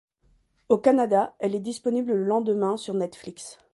Au Canada, elle est disponible le lendemain sur Netflix.